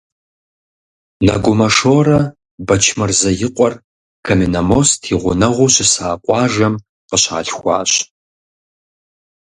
Нэгумэ Шорэ Бэчмырзэ и къуэр Каменномост и гъунэгъуу щыса къуажэм къыщалъхуащ.